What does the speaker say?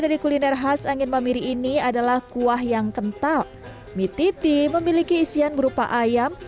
dari kuliner khas angin mamiri ini adalah kuah yang kental mititi memiliki isian berupa ayam